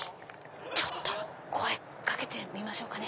ちょっと声掛けてみましょうかね。